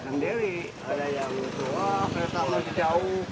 ada yang berusaha kereta masih jauh katanya